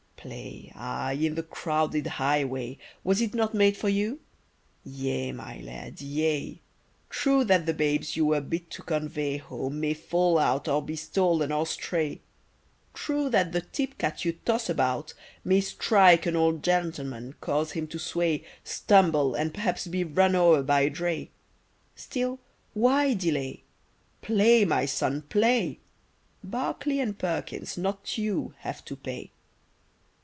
Play, ay in the crowded highway: Was it not made for you? Yea, my lad, yea. True that the babes you were bid to convey Home may fall out or be stolen or stray; True that the tip cat you toss about may Strike an old gentleman, cause him to sway, Stumble, and p'raps be run o'er by a dray: Still why delay? Play, my son, play! Barclay and Perkins, not you, have to pay.